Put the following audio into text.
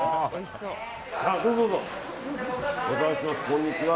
こんにちは。